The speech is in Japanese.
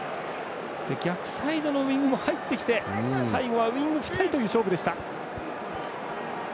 逆サイドのウイングも入ってきて最後はウイング２人という勝負でした。